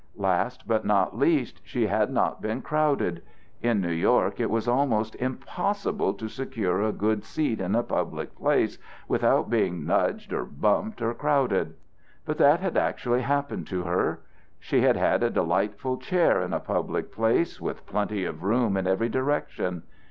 Last, but not least, she had not been crowded. In New York it was almost impossible to secure a good seat in a public place without being nudged or bumped or crowded. But that had actually happened to her. She had had a delightful chair in a public place, with plenty of room in every direction.